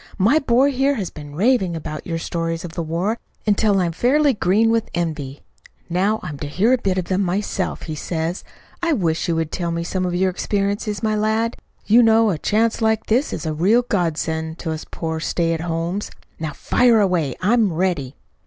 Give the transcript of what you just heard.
"My boy here has been raving about your stories of the war until I'm fairly green with envy. Now I'm to hear a bit of them myself, he says. I wish you would tell me some of your experiences, my lad. You know a chance like this is a real god send to us poor stay at homes. Now fire away! I'm ready."